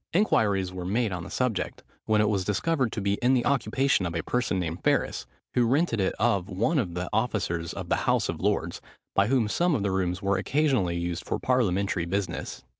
Inquiries were made on the subject, when it was discovered to be in the occupation of a person named Ferris, who rented it of one of the officers of the House of Lords, by whom some of the rooms were occasionally used for parliamentary business.